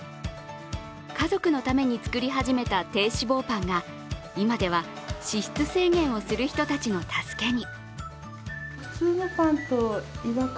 家族のために作り始めた低脂肪パンが今では脂質制限をする人たちの助けに。